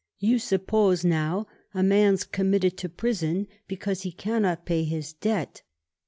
"You suppose, now, a man's committed to prison because he cannot pay his debt?